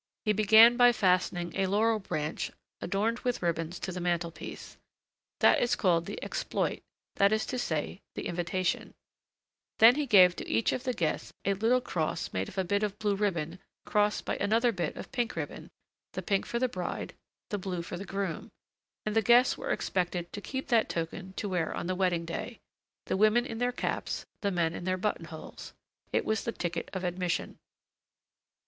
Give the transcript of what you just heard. He began by fastening a laurel branch adorned with ribbons to the mantel piece; that is called the exploit, that is to say, the invitation; then he gave to each of the guests a little cross made of a bit of blue ribbon crossed by another bit of pink ribbon; the pink for the bride, the blue for the groom; and the guests were expected to keep that token to wear on the wedding day, the women in their caps, the men in their button holes. It was the ticket of admission.